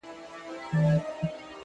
چي یې کټ ته دواړي پښې کړلې ور وړاندي.!